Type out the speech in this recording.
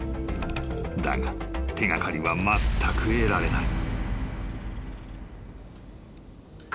［だが手掛かりはまったく得られない］